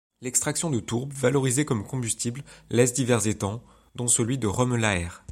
L’extraction de tourbe valorisée comme combustible laisse divers étangs, dont celui de Romelaëre.